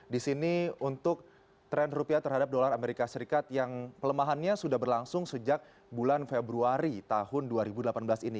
di sini untuk tren rupiah terhadap dolar amerika serikat yang pelemahannya sudah berlangsung sejak bulan februari tahun dua ribu delapan belas ini